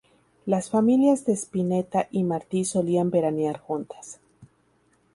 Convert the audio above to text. Las familias de Spinetta y Martí solían veranear juntas.